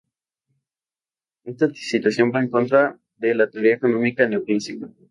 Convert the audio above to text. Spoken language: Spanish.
Esta situación va en contra de la teoría económica neoclásica.